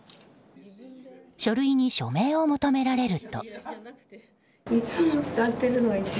書類に署名を求められると。